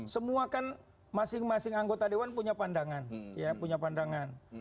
semua kan masing masing anggota dewan punya pandangan ya punya pandangan